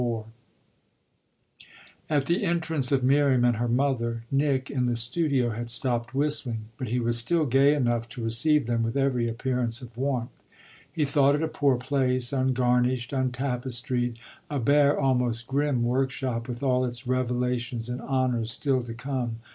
XLIV At the entrance of Miriam and her mother Nick, in the studio, had stopped whistling, but he was still gay enough to receive them with every appearance of warmth. He thought it a poor place, ungarnished, untapestried, a bare, almost grim workshop, with all its revelations and honours still to come.